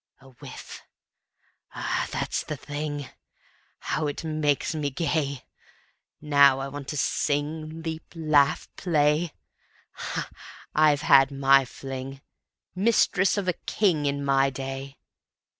A whiff! Ah, that's the thing. How it makes me gay! Now I want to sing, Leap, laugh, play. Ha! I've had my fling! Mistress of a king In my day.